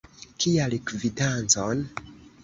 Kial kvitancon?